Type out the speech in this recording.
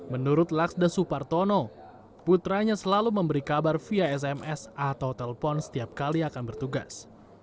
menurut laksda supartono putranya selalu memberi kabar via sms atau telpon setiap kali akan bertugas